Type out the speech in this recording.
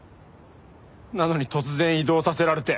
なのに突然異動させられて。